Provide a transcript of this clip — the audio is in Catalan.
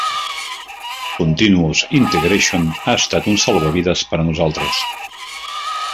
Continuous Integration ha estat un salvavides per a nosaltres.